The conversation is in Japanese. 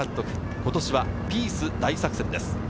今年はピース大作戦です。